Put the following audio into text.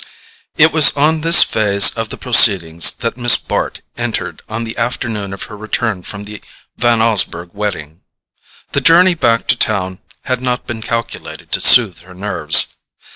It was on this phase of the proceedings that Miss Bart entered on the afternoon of her return from the Van Osburgh wedding. The journey back to town had not been calculated to soothe her nerves.